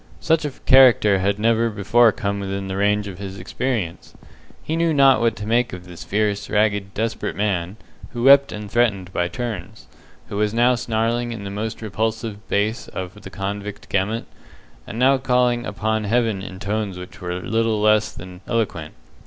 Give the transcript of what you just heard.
Such a character had never before come within the range of his experience. He knew not what to make of this fierce, ragged, desperate man, who wept and threatened by turns who was now snarling in the most repulsive bass of the convict gamut, and now calling upon Heaven in tones which were little less than eloquent.